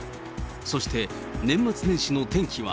そして、年末年始の天気は？